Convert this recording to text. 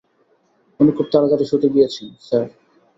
উনি খুব তাড়াতাড়ি শুতে গিয়েছেন, স্যার।